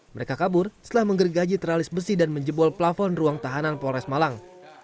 mereka kabur setelah menggergaji teralis besi dan menjebol plafon ruang tahanan polres malang